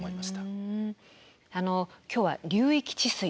今日は流域治水。